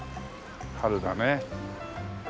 春だね。